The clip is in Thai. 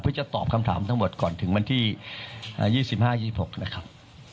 เพื่อจะตอบคำถามทั้งหมดก่อนถึงวันที่๒๕๒๖นะครับ